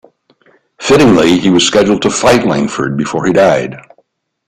Fittingly, he was scheduled to fight Langford before he died.